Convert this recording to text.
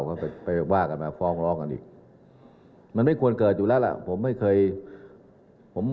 มันจะคงไม่เกิดแล้ว